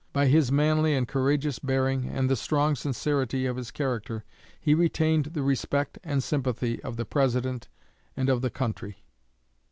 By his manly and courageous bearing, and the strong sincerity of his character, he retained the respect and sympathy of the President and of the country.